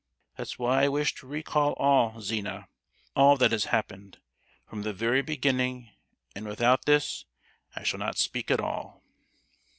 That's why I wish to recall all, Zina, all that has happened, from the very beginning; and without this I shall not speak at all!"